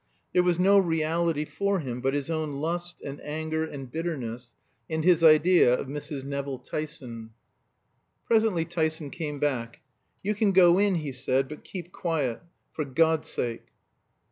There was no reality for him but his own lust, and anger, and bitterness, and his idea of Mrs. Nevill Tyson. Presently Tyson came back. "You can go in," he said, "but keep quiet, for God's sake!"